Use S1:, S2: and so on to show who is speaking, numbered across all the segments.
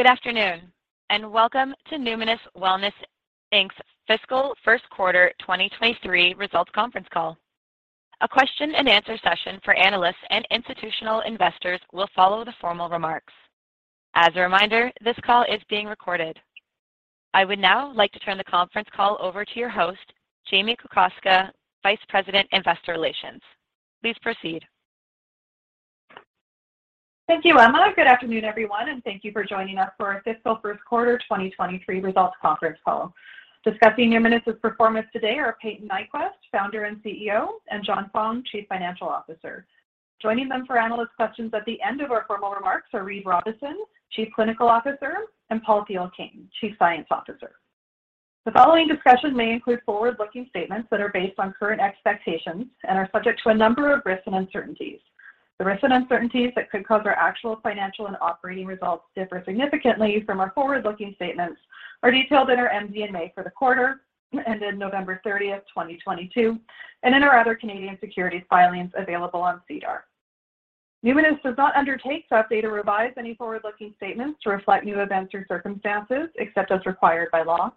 S1: Good afternoon, welcome to Numinus Wellness Inc's fiscal first quarter 2023 results conference call. A question and answer session for analysts and institutional investors will follow the formal remarks. As a reminder, this call is being recorded. I would now like to turn the conference call over to your host, Jamie Kokoska, Vice President, Investor Relations. Please proceed.
S2: Thank you, Emma. Good afternoon, everyone, and thank you for joining us for our fiscal first quarter 2023 results conference call. Discussing Numinus's performance today are Payton Nyquvest, founder and CEO, and John Fong, Chief Financial Officer. Joining them for analyst questions at the end of our formal remarks are Reid Robison, Chief Clinical Officer, and Paul Thielking, Chief Science Officer. The following discussion may include forward-looking statements that are based on current expectations and are subject to a number of risks and uncertainties. The risks and uncertainties that could cause our actual financial and operating results differ significantly from our forward-looking statements are detailed in our MD&A for the quarter that ended November 30, 2022, and in our other Canadian securities filings available on SEDAR. Numinus does not undertake to update or revise any forward-looking statements to reflect new events or circumstances except as required by law.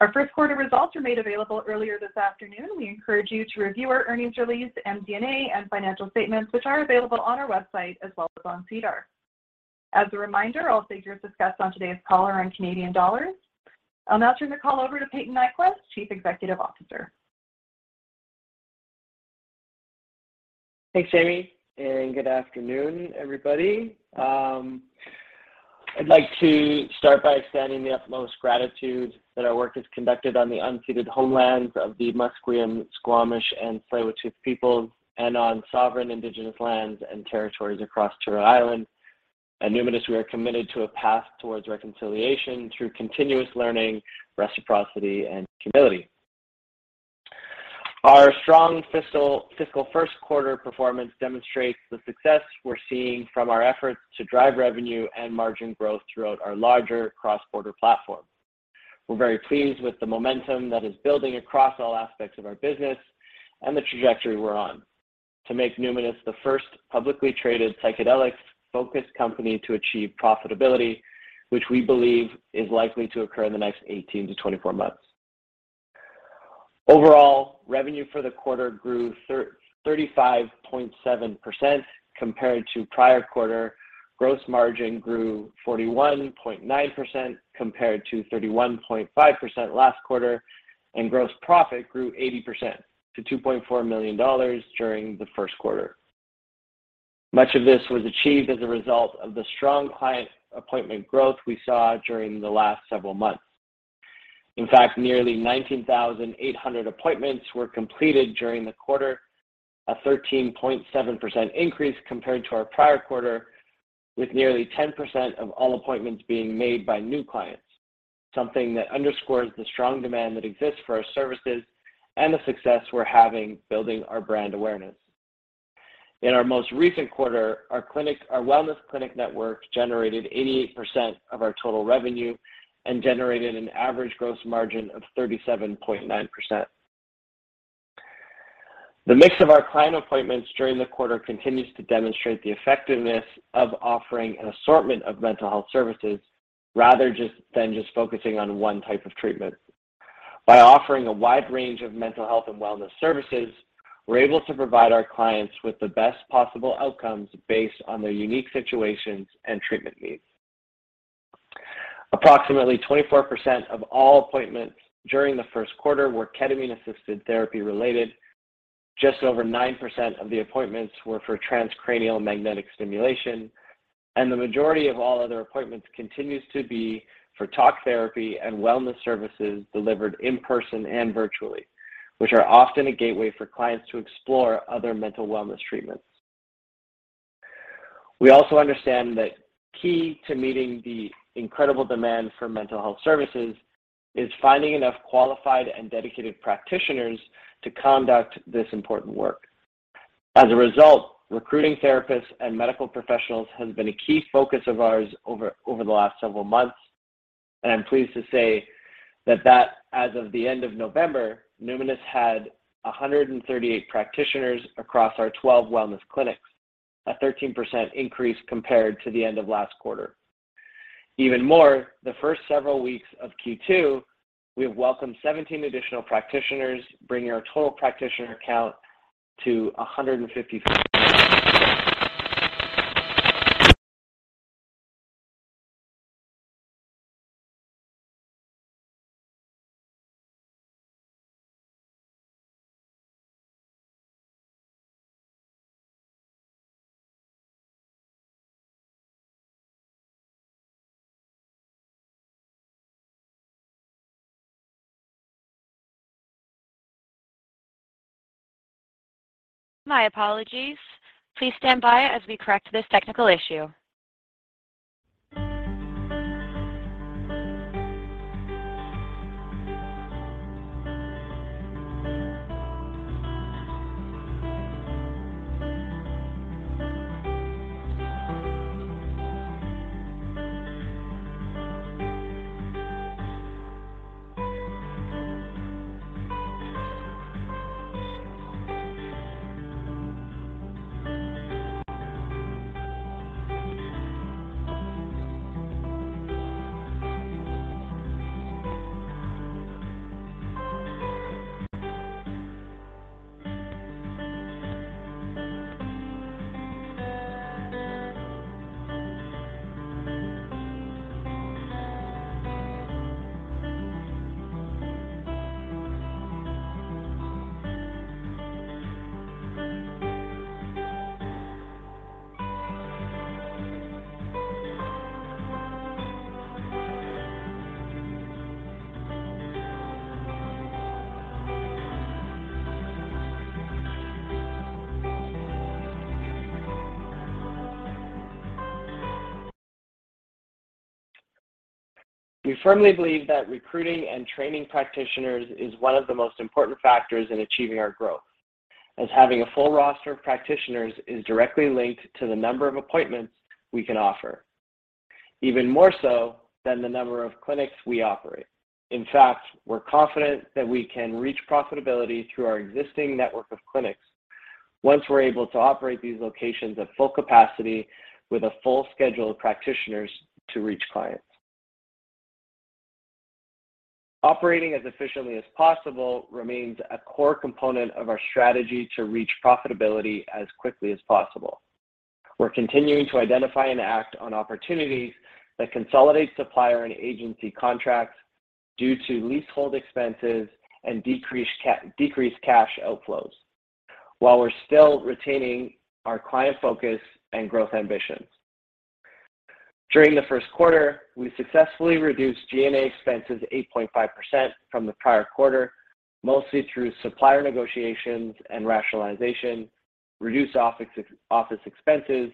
S2: Our 1st quarter results were made available earlier this afternoon. We encourage you to review our earnings release, MD&A, and financial statements, which are available on our website as well as on SEDAR. As a reminder, all figures discussed on today's call are in Canadian dollars. I'll now turn the call over to Payton Nyquvest, Chief Executive Officer.
S3: Thanks, Jamie. Good afternoon, everybody. I'd like to start by extending the utmost gratitude that our work is conducted on the unceded homelands of the Musqueam, Squamish, and Tsleil-Waututh peoples and on sovereign indigenous lands and territories across Turtle Island. At Numinus, we are committed to a path towards reconciliation through continuous learning, reciprocity, and humility. Our strong fiscal first quarter performance demonstrates the success we're seeing from our efforts to drive revenue and margin growth throughout our larger cross-border platform. We're very pleased with the momentum that is building across all aspects of our business and the trajectory we're on to make Numinus the first publicly traded psychedelics-focused company to achieve profitability, which we believe is likely to occur in the next 18-24 months. Overall, revenue for the quarter grew 35.7% compared to prior quarter. Gross margin grew 41.9% compared to 31.5% last quarter, and gross profit grew 80% to 2.4 million dollars during the first quarter. Much of this was achieved as a result of the strong client appointment growth we saw during the last several months. In fact, nearly 19,800 appointments were completed during the quarter, a 13.7% increase compared to our prior quarter, with nearly 10% of all appointments being made by new clients, something that underscores the strong demand that exists for our services and the success we're having building our brand awareness. In our most recent quarter, our wellness clinic network generated 88% of our total revenue and generated an average gross margin of 37.9%. The mix of our client appointments during the quarter continues to demonstrate the effectiveness of offering an assortment of mental health services rather than just focusing on one type of treatment. By offering a wide range of mental health and wellness services, we're able to provide our clients with the best possible outcomes based on their unique situations and treatment needs. Approximately 24% of all appointments during the first quarter were ketamine-assisted therapy related. Just over 9% of the appointments were for transcranial magnetic stimulation. The majority of all other appointments continues to be for talk therapy and wellness services delivered in person and virtually, which are often a gateway for clients to explore other mental wellness treatments. We also understand that key to meeting the incredible demand for mental health services is finding enough qualified and dedicated practitioners to conduct this important work. As a result, recruiting therapists and medical professionals has been a key focus of ours over the last several months. I'm pleased to say that as of the end of November, Numinus had 138 practitioners across our 12 wellness clinics, a 13% increase compared to the end of last quarter. Even more, the first several weeks of Q2, we have welcomed 17 additional practitioners, bringing our total practitioner count to 155.
S1: My apologies. Please stand by as we correct this technical issue.
S3: We firmly believe that recruiting and training practitioners is one of the most important factors in achieving our growth, as having a full roster of practitioners is directly linked to the number of appointments we can offer, even more so than the number of clinics we operate. In fact, we're confident that we can reach profitability through our existing network of clinics once we're able to operate these locations at full capacity with a full schedule of practitioners to reach clients. Operating as efficiently as possible remains a core component of our strategy to reach profitability as quickly as possible. We're continuing to identify and act on opportunities that consolidate supplier and agency contracts due to leasehold expenses and decreased cash outflows while we're still retaining our client focus and growth ambitions. During the first quarter, we successfully reduced G&A expenses 8.5% from the prior quarter, mostly through supplier negotiations and rationalization, reduced office expenses,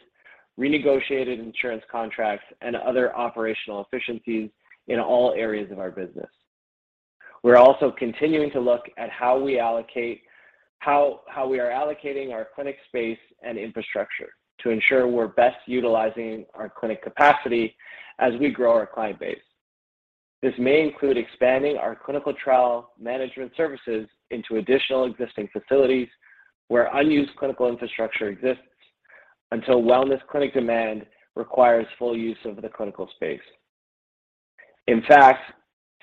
S3: renegotiated insurance contracts, and other operational efficiencies in all areas of our business. We're also continuing to look at how we are allocating our clinic space and infrastructure to ensure we're best utilizing our clinic capacity as we grow our client base. This may include expanding our clinical trial management services into additional existing facilities where unused clinical infrastructure exists until wellness clinic demand requires full use of the clinical space. In fact,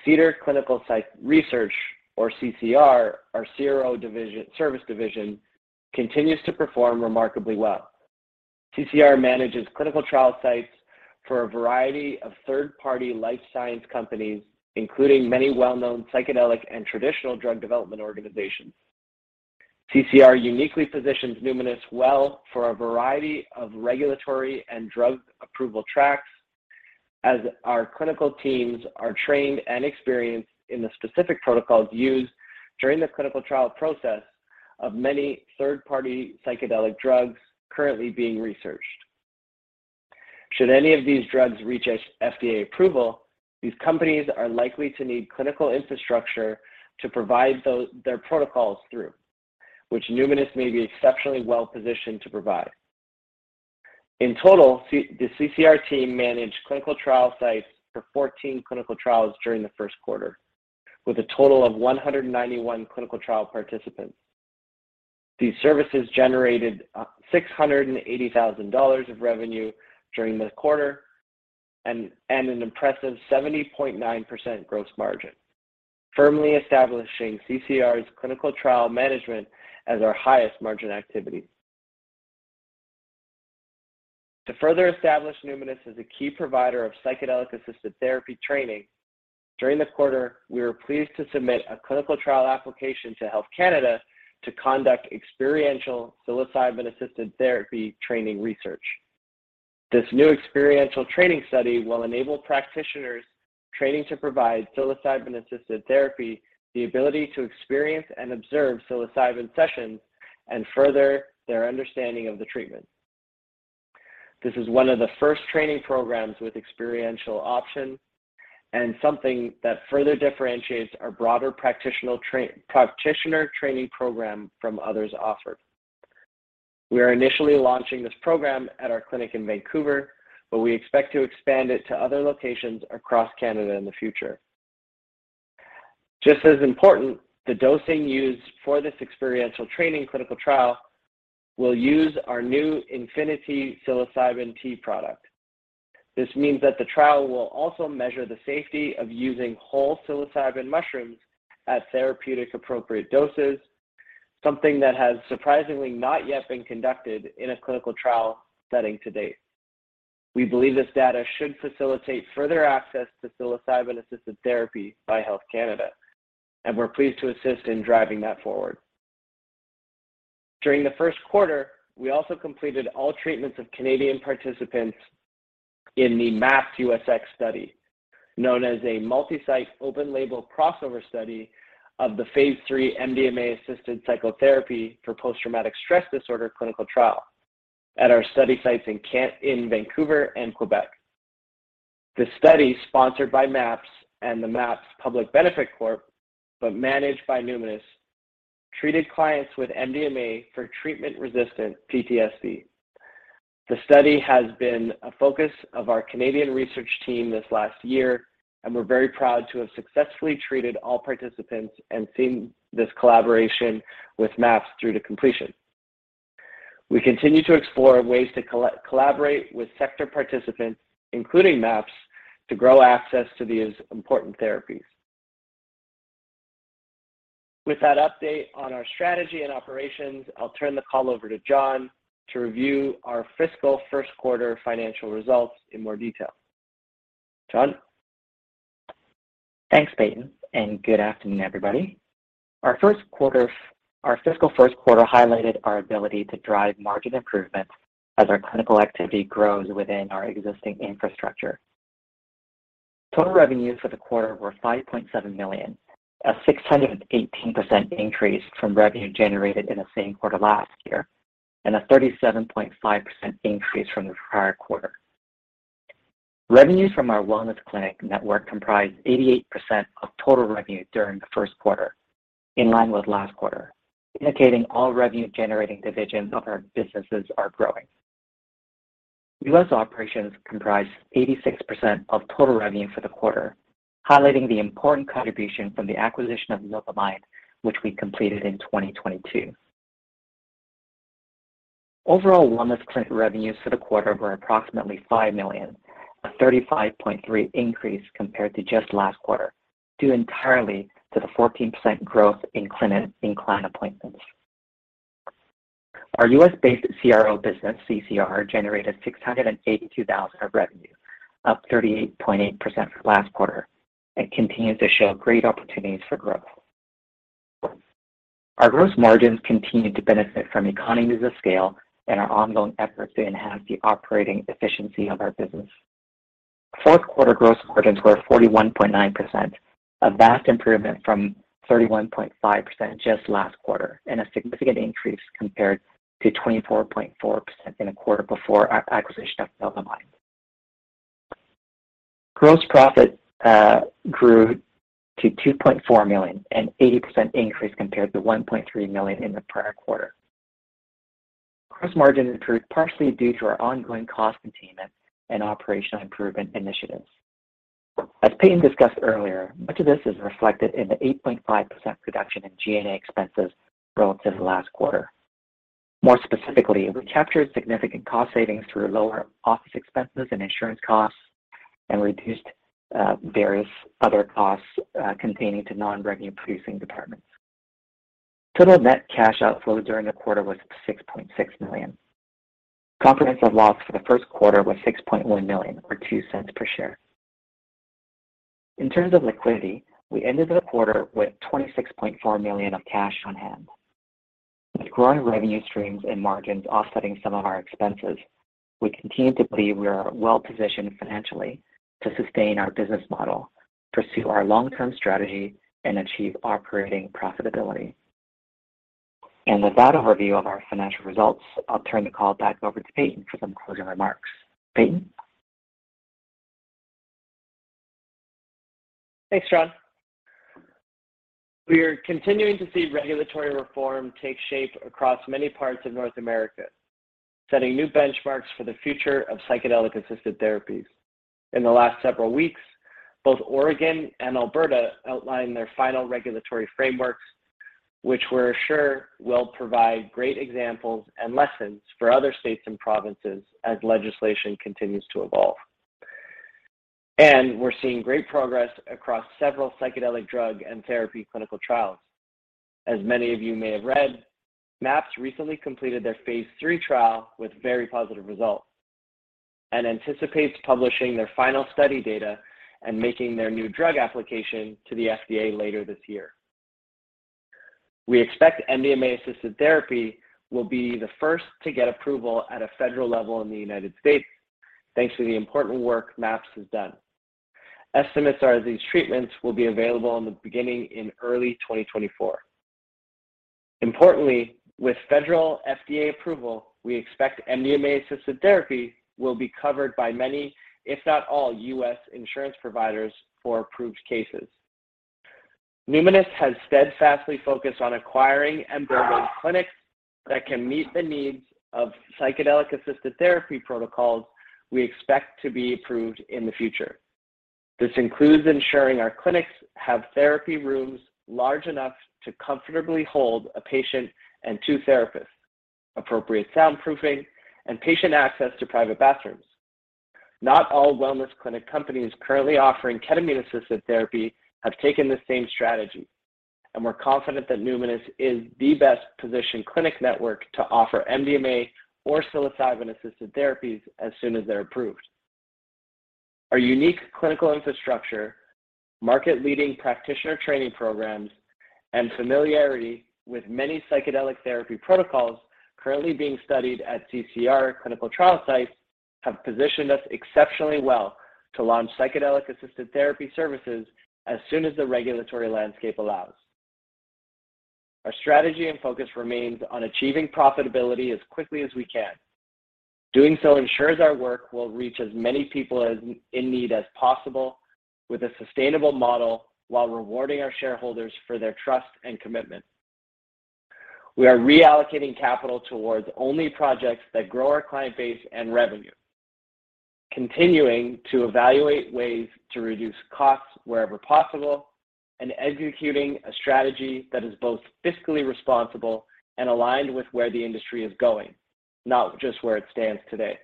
S3: Cedar Clinical Research, or CCR, our CRO service division, continues to perform remarkably well. CCR manages clinical trial sites for a variety of third-party life science companies, including many well-known psychedelic and traditional drug development organizations. CCR uniquely positions Numinus well for a variety of regulatory and drug approval tracks, as our clinical teams are trained and experienced in the specific protocols used during the clinical trial process of many third-party psychedelic drugs currently being researched. Should any of these drugs reach FDA approval, these companies are likely to need clinical infrastructure to provide their protocols through, which Numinus may be exceptionally well-positioned to provide. In total, the CCR team managed clinical trial sites for 14 clinical trials during the first quarter, with a total of 191 clinical trial participants. These services generated 680,000 dollars of revenue during the quarter and an impressive 70.9% gross margin, firmly establishing CCR's clinical trial management as our highest margin activity. To further establish Numinus as a key provider of psychedelic-assisted therapy training, during the quarter, we were pleased to submit a clinical trial application to Health Canada to conduct experiential psilocybin-assisted therapy training research. This new experiential training study will enable practitioners training to provide psilocybin-assisted therapy the ability to experience and observe psilocybin sessions and further their understanding of the treatment. This is one of the first training programs with experiential options and something that further differentiates our broader practitioner training program from others offered. We are initially launching this program at our clinic in Vancouver. We expect to expand it to other locations across Canada in the future. Just as important, the dosing used for this experiential training clinical trial will use our new Infinity psilocybin tea product. This means that the trial will also measure the safety of using whole psilocybin mushrooms at therapeutic appropriate doses, something that has surprisingly not yet been conducted in a clinical trial setting to date. We believe this data should facilitate further access to psilocybin-assisted therapy by Health Canada, and we're pleased to assist in driving that forward. During the first quarter, we also completed all treatments of Canadian participants in the MAPPUSX study, known as a multi-site open label crossover study of the phase III MDMA-assisted psychotherapy for post-traumatic stress disorder clinical trial at our study sites in Vancouver and Quebec. The study, sponsored by MAPS and the MAPS Public Benefit Corp, but managed by Numinus, treated clients with MDMA for treatment-resistant PTSD. The study has been a focus of our Canadian research team this last year, and we're very proud to have successfully treated all participants and seen this collaboration with MAPS through to completion. We continue to explore ways to collaborate with sector participants, including MAPS, to grow access to these important therapies. With that update on our strategy and operations, I'll turn the call over to John to review our fiscal first quarter financial results in more detail. John.
S4: Thanks, Payton, good afternoon, everybody. Our fiscal first quarter highlighted our ability to drive margin improvements as our clinical activity grows within our existing infrastructure. Total revenues for the quarter were $5.7 million, a 618% increase from revenue generated in the same quarter last year, a 37.5% increase from the prior quarter. Revenues from our wellness clinic network comprised 88% of total revenue during the first quarter, in line with last quarter, indicating all revenue-generating divisions of our businesses are growing. U.S. operations comprised 86% of total revenue for the quarter, highlighting the important contribution from the acquisition of Novamind, which we completed in 2022. Overall wellness clinic revenues for the quarter were approximately $5 million, a 35.3% increase compared to just last quarter, due entirely to the 14% growth in client appointments. Our U.S.-based CRO business, CCR, generated $682 thousand of revenue, up 38.8% from last quarter, and continues to show great opportunities for growth. Our gross margins continue to benefit from economies of scale and our ongoing efforts to enhance the operating efficiency of our business. Fourth quarter gross margins were 41.9%, a vast improvement from 31.5% just last quarter and a significant increase compared to 24.4% in the quarter before our acquisition of Novamind. Gross profit grew to $2.4 million, an 80% increase compared to $1.3 million in the prior quarter. Gross margin improved partially due to our ongoing cost containment and operational improvement initiatives. As Payton discussed earlier, much of this is reflected in the 8.5% reduction in G&A expenses relative to last quarter. More specifically, we captured significant cost savings through lower office expenses and insurance costs and reduced various other costs pertaining to non-revenue producing departments. Total net cash outflow during the quarter was 6.6 million. Comprehensive loss for the first quarter was 6.1 million or 0.02 per share. In terms of liquidity, we ended the quarter with 26.4 million of cash on hand. With growing revenue streams and margins offsetting some of our expenses, we continue to believe we are well-positioned financially to sustain our business model, pursue our long-term strategy, and achieve operating profitability. With that overview of our financial results, I'll turn the call back over to Payton for some closing remarks. Payton.
S3: Thanks, John. We are continuing to see regulatory reform take shape across many parts of North America, setting new benchmarks for the future of psychedelic-assisted therapies. In the last several weeks, both Oregon and Alberta outlined their final regulatory frameworks, which we're sure will provide great examples and lessons for other states and provinces as legislation continues to evolve. We're seeing great progress across several psychedelic drug and therapy clinical trials. As many of you may have read, MAPS recently completed their phase III trial with very positive results and anticipates publishing their final study data and making their New Drug Application to the FDA later this year. We expect MDMA-assisted therapy will be the first to get approval at a federal level in the United States, thanks to the important work MAPS has done. Estimates are these treatments will be available in the beginning in early 2024. Importantly, with federal FDA approval, we expect MDMA-assisted therapy will be covered by many, if not all, US insurance providers for approved cases. Numinus has steadfastly focused on acquiring and building clinics that can meet the needs of psychedelic-assisted therapy protocols we expect to be approved in the future. This includes ensuring our clinics have therapy rooms large enough to comfortably hold a patient and two therapists, appropriate soundproofing, and patient access to private bathrooms. Not all wellness clinic companies currently offering ketamine-assisted therapy have taken the same strategy. We're confident that Numinus is the best-positioned clinic network to offer MDMA or psilocybin-assisted therapies as soon as they're approved. Our unique clinical infrastructure, market-leading practitioner training programs, and familiarity with many psychedelic therapy protocols currently being studied at CCR clinical trial sites have positioned us exceptionally well to launch psychedelic-assisted therapy services as soon as the regulatory landscape allows. Our strategy and focus remains on achieving profitability as quickly as we can. Doing so ensures our work will reach as many people in need as possible with a sustainable model while rewarding our shareholders for their trust and commitment. We are reallocating capital towards only projects that grow our client base and revenue, continuing to evaluate ways to reduce costs wherever possible, and executing a strategy that is both fiscally responsible and aligned with where the industry is going, not just where it stands today.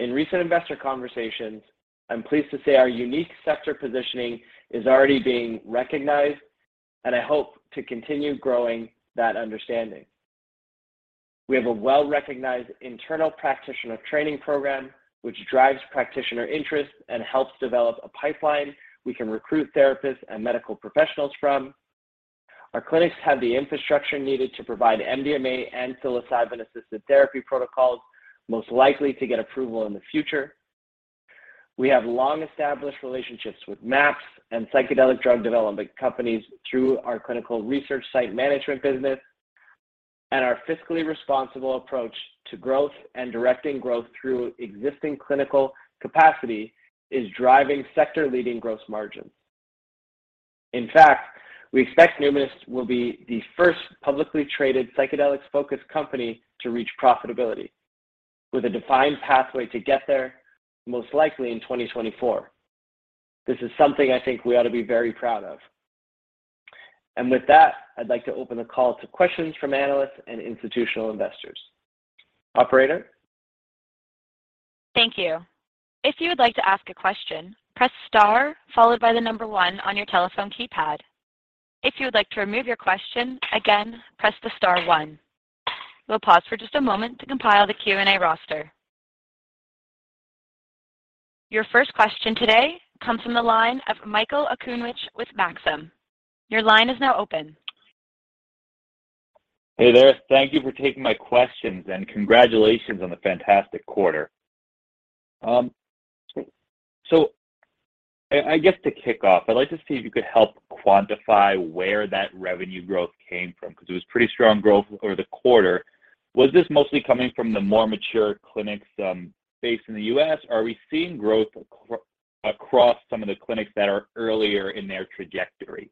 S3: In recent investor conversations, I'm pleased to say our unique sector positioning is already being recognized, and I hope to continue growing that understanding. We have a well-recognized internal practitioner training program, which drives practitioner interest and helps develop a pipeline we can recruit therapists and medical professionals from. Our clinics have the infrastructure needed to provide MDMA and psilocybin-assisted therapy protocols most likely to get approval in the future. We have long-established relationships with MAPS and psychedelic drug development companies through our clinical research site management business. Our fiscally responsible approach to growth and directing growth through existing clinical capacity is driving sector-leading gross margins. In fact, we expect Numinus will be the first publicly traded psychedelics-focused company to reach profitability, with a defined pathway to get there most likely in 2024. This is something I think we ought to be very proud of. With that, I'd like to open the call to questions from analysts and institutional investors. Operator?
S1: Thank you. If you would like to ask a question, press star followed by the number one on your telephone keypad. If you would like to remove your question, again, press the star one. We'll pause for just a moment to compile the Q&A roster. Your first question today comes from the line of Michael Okunewitch with Maxim. Your line is now open.
S5: Hey there. Thank you for taking my questions, and congratulations on the fantastic quarter. I guess to kick off, I'd like to see if you could help quantify where that revenue growth came from because it was pretty strong growth over the quarter. Was this mostly coming from the more mature clinics, based in the US, or are we seeing growth across some of the clinics that are earlier in their trajectory?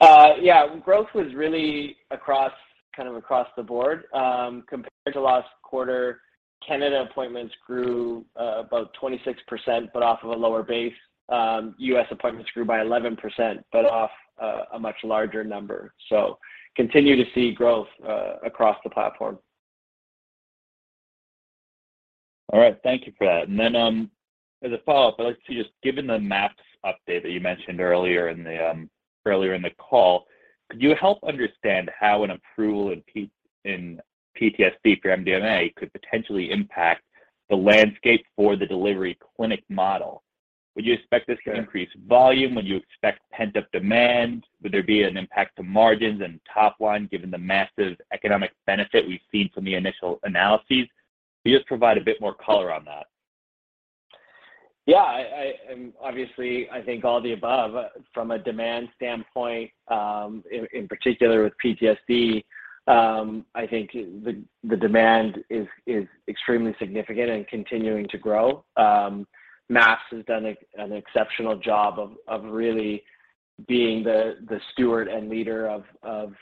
S3: Yeah. Growth was really across, kind of across the board. Compared to last quarter, Canada appointments grew about 26% but off of a lower base. US appointments grew by 11%, but off a much larger number. Continue to see growth across the platform.
S5: All right. Thank you for that. As a follow-up, Given the MAPS update that you mentioned earlier in the call, could you help understand how an approval in PTSD for MDMA could potentially impact the landscape for the delivery clinic model? Would you expect this to increase volume? Would you expect pent-up demand? Would there be an impact to margins and top line given the massive economic benefit we've seen from the initial analyses? Can you just provide a bit more color on that?
S3: Yeah. Obviously, I think all the above. From a demand standpoint, in particular with PTSD, I think the demand is extremely significant and continuing to grow. MAPS has done an exceptional job of really being the steward and leader of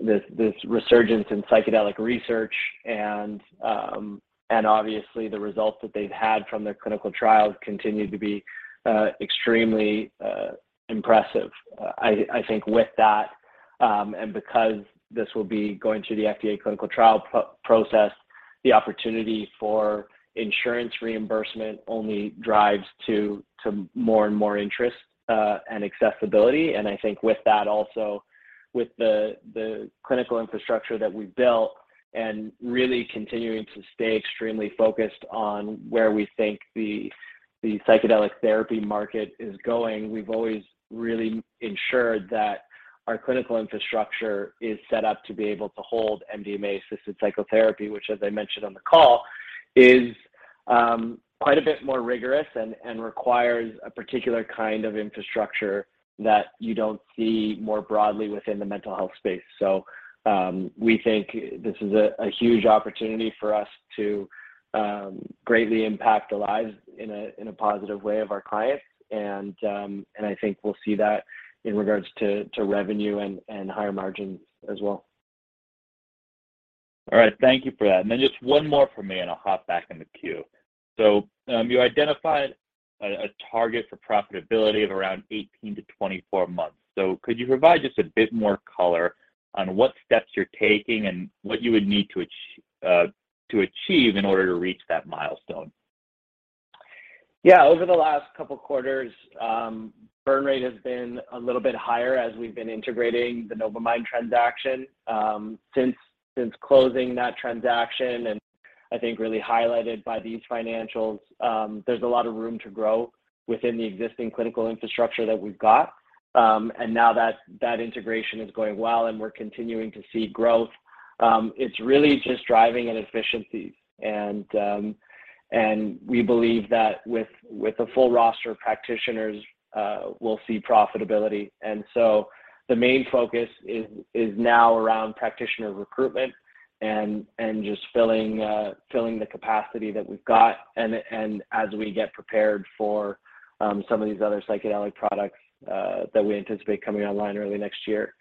S3: this resurgence in psychedelic research and obviously the results that they've had from their clinical trials continue to be extremely impressive. I think with that, because this will be going through the FDA clinical trial process, the opportunity for insurance reimbursement only drives to more and more interest and accessibility. I think with that also, with the clinical infrastructure that we've built and really continuing to stay extremely focused on where we think the psychedelic therapy market is going, we've always really ensured that our clinical infrastructure is set up to be able to hold MDMA-assisted psychotherapy, which as I mentioned on the call, is quite a bit more rigorous and requires a particular kind of infrastructure that you don't see more broadly within the mental health space. We think this is a huge opportunity for us to greatly impact the lives in a positive way of our clients. I think we'll see that in regards to revenue and higher margins as well.
S5: All right. Thank you for that. Just one more from me, and I'll hop back in the queue. You identified a target for profitability of around 18-24 months. Could you provide just a bit more color on what steps you're taking and what you would need to achieve in order to reach that milestone?
S3: Yeah. Over the last couple quarters, burn rate has been a little bit higher as we've been integrating the Novamind transaction. Since, since closing that transaction and I think really highlighted by these financials, there's a lot of room to grow within the existing clinical infrastructure that we've got. Now that that integration is going well and we're continuing to see growth, it's really just driving in efficiencies. We believe that with a full roster of practitioners, we'll see profitability. The main focus is now around practitioner recruitment and just filling the capacity that we've got and as we get prepared for, some of these other psychedelic products, that we anticipate coming online early next year.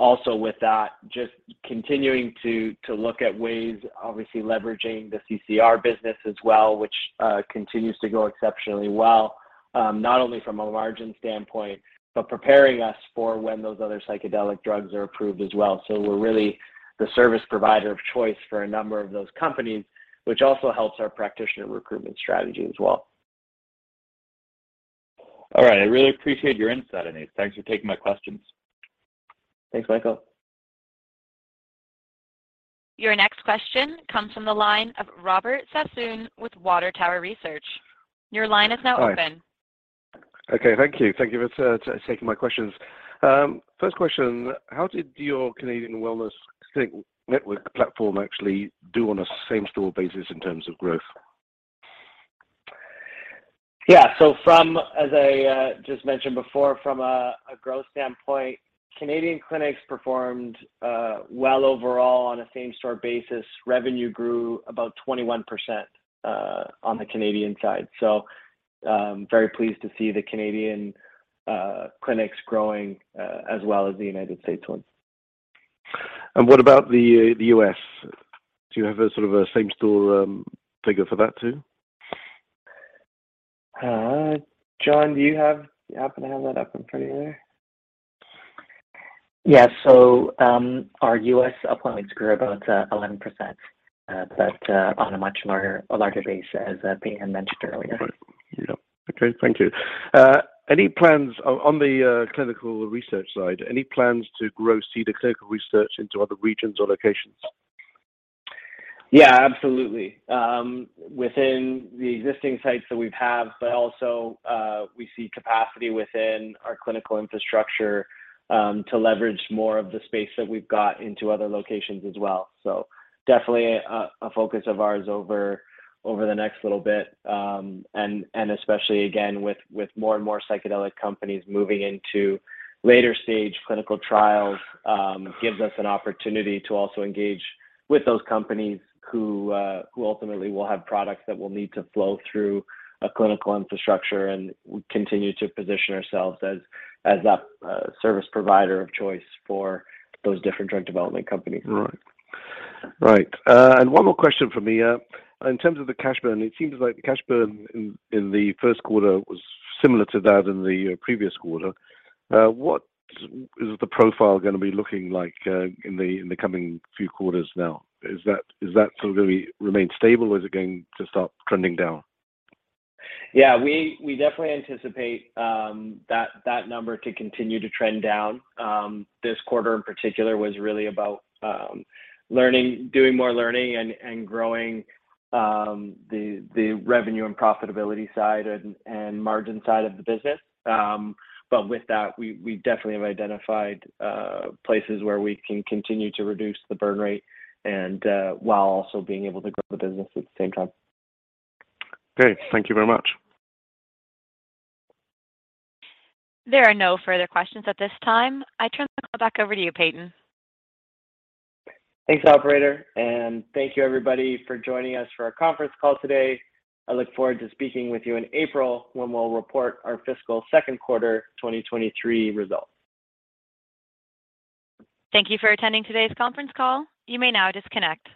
S3: Also with that, just continuing to look at ways, obviously leveraging the CCR business as well, which continues to go exceptionally well, not only from a margin standpoint, but preparing us for when those other psychedelic drugs are approved as well. We're really the service provider of choice for a number of those companies, which also helps our practitioner recruitment strategy as well.
S5: All right. I really appreciate your insight, Anais. Thanks for taking my questions.
S3: Thanks, Michael.
S1: Your next question comes from the line of Robert Sassoon with Water Tower Research. Your line is now open.
S6: Hi. Okay, thank you. Thank you for taking my questions. First question, how did your Canadian wellness clinic network platform actually do on a same-store basis in terms of growth?
S3: Yeah. As I just mentioned before, from a growth standpoint, Canadian clinics performed well overall on a same-store basis. Revenue grew about 21% on the Canadian side. Very pleased to see the Canadian clinics growing as well as the United States ones.
S6: What about the U.S.? Do you have a sort of a same-store, figure for that too?
S3: John, do you happen to have that up in front of you there?
S4: Yeah. Our US appointments grew about 11%, on a much larger base as Payton mentioned earlier.
S6: Right. Yep. Okay, thank you. any plans... On the clinical research side, any plans to grow Cedar Clinical Research into other regions or locations?
S3: Absolutely. Within the existing sites that we have, but also, we see capacity within our clinical infrastructure to leverage more of the space that we've got into other locations as well. Definitely a focus of ours over the next little bit. Especially again with more and more psychedelic companies moving into later stage clinical trials, gives us an opportunity to also engage with those companies who ultimately will have products that will need to flow through a clinical infrastructure, and we continue to position ourselves as a service provider of choice for those different drug development companies.
S6: Right. Right. One more question from me. In terms of the cash burn, it seems like the cash burn in the first quarter was similar to that in the previous quarter. What is the profile gonna be looking like in the coming few quarters now? Is that gonna remain stable, or is it going to start trending down?
S3: Yeah. We definitely anticipate that number to continue to trend down. This quarter in particular was really about learning, doing more learning and growing the revenue and profitability side and margin side of the business. With that, we definitely have identified places where we can continue to reduce the burn rate and while also being able to grow the business at the same time.
S6: Great. Thank you very much.
S1: There are no further questions at this time. I turn the call back over to you, Payton.
S3: Thanks, operator. Thank you everybody for joining us for our conference call today. I look forward to speaking with you in April when we'll report our fiscal second quarter 2023 results.
S1: Thank you for attending today's conference call. You may now disconnect.